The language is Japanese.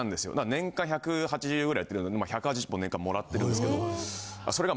年間１８０ぐらいやってるんで１８０本年間貰ってるんですけどそれが。